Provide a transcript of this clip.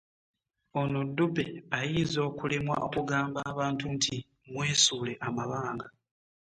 “Ono Dube ayinza okulemwa okugamba abantu nti mwesuule amabanga"